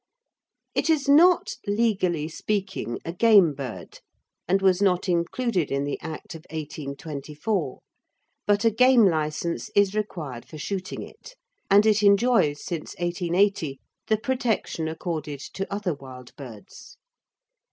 It is not, legally speaking, a game bird and was not included in the Act of 1824, but a game licence is required for shooting it, and it enjoys since 1880 the protection accorded to other wild birds.